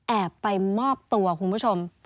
แอบไปมอบตัวคุณผู้ชม